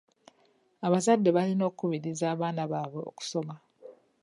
Abazadde balina okukubiriza abaana baabwe okusoma